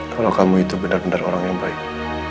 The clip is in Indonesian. kalau kamu itu benar benar orang yang baik